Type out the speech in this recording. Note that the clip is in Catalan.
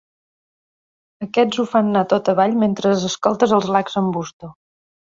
Aquests ho fan anar tot avall mentre escoltes els Lax'n'Busto.